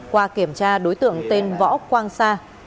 qua kiểm tra đối tượng tên võ quang sa